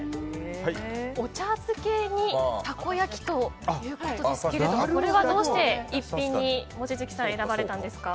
お茶漬けにたこ焼きということですけどこれはどうして逸品に選ばれたんですか？